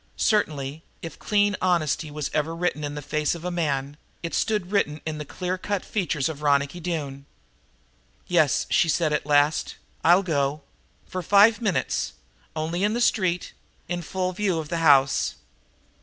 Certainly, if clean honesty was ever written in the face of a man, it stood written in the clear cut features of Ronicky Doone. "Yes," she said at last, "I'll go. For five minutes only in the street in full view of the house."